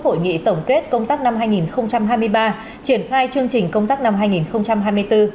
hội nghị tổng kết công tác năm hai nghìn hai mươi ba triển khai chương trình công tác năm hai nghìn hai mươi bốn